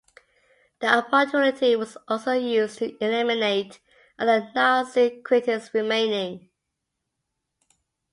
The opportunity was also used to eliminate other Nazi critics remaining.